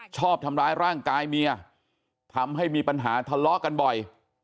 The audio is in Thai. ชอบทำร้ายร่างกายเมียทำให้มีปัญหาทะเลาะกันบ่อย